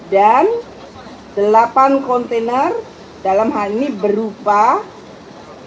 dan delapan kontainer dalam hal ini berupa barang barang